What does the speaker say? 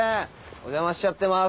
お邪魔しちゃってます。